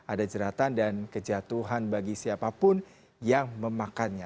ada jeratan dan kejatuhan bagi siapapun yang memakannya